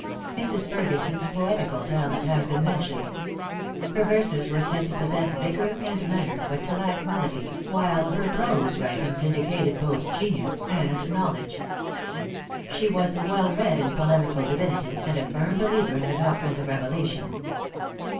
Mrs. Ferguson's poetical talent has been mentioned. Her verses were said to possess vigor and measure, but to lack melody, while her prose writings indicated both genius and knowledge. She was well read in polemical divinity, and a firm believer in the doctrines of revelation.